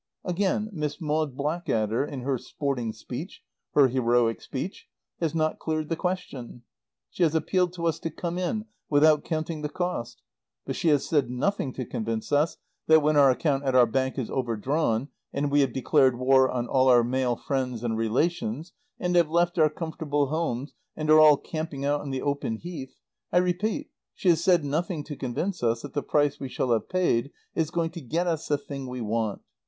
"Again, Miss Maud Blackadder, in her sporting speech, her heroic speech, has not cleared the question. She has appealed to us to come in, without counting the cost; but she has said nothing to convince us that when our account at our bank is overdrawn, and we have declared war on all our male friends and relations, and have left our comfortable homes, and are all camping out on the open Heath I repeat, she has said nothing to convince us that the price we shall have paid is going to get us the thing we want.